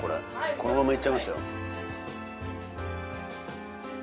このままいっちゃいますよ。